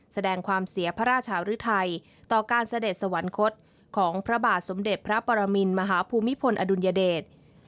แสดงความเสียพระราชหรือไทยต่อการเสด็จสวรรคตของพระบาทสมเด็จพระปรมินมหาภูมิพลอดุลยเดช